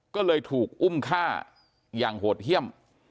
ก็เลยถูกอุ้มฆ่าอย่างโหดเยี่ยม